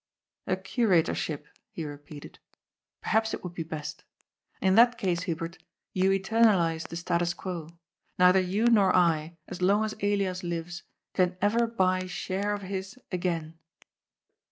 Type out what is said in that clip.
" A curatorship," he repeated. " Perhaps it would be best. In that case, Hubert, you eternalize the status quo. Neither you nor I, as long as Elias lives, can ever buy share of his again."